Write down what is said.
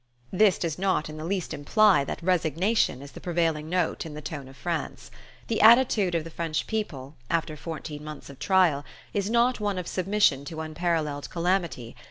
This does not in the least imply that resignation is the prevailing note in the tone of France. The attitude of the French people, after fourteen months of trial, is not one of submission to unparalleled calamity.